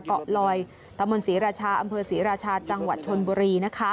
เกาะลอยตะมนตรีราชาอำเภอศรีราชาจังหวัดชนบุรีนะคะ